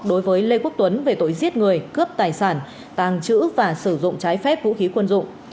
đối với lê quốc tuấn về tội giết người cướp tài sản tàng trữ và sử dụng trái phép vũ khí quân dụng